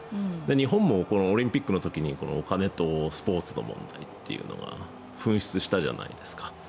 日本もオリンピックの時にお金とスポーツの問題というのが噴出したじゃないですか。